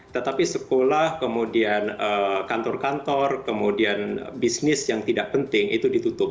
tetapi sekolah kemudian kantor kantor kemudian bisnis yang tidak penting itu ditutup